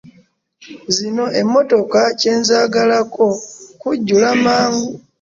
Zino emmotoka kye nzaagalako kujjula mangu.